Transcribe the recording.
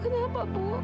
ibu kenapa bu